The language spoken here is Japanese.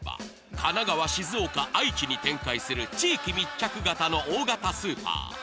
神奈川、静岡、愛知に展開する地域密着型の大型スーパー。